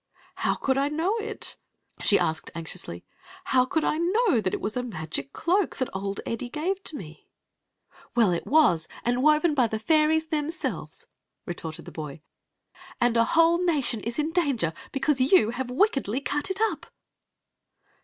"How could I know it?" she asked, anxiously; " how could I }mm 3 mm 3 «^pc cloak that okl £di Queen Zixi of Ix; or, the "Well, it was; and woven by the fairies them selves," retorted the boy. " And a whole nation is in danger because you have wickedly cut it up."